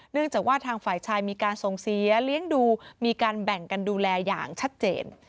จากว่าทางฝ่ายชายมีการส่งเสียเลี้ยงดูมีการแบ่งกันดูแลอย่างชัดเจน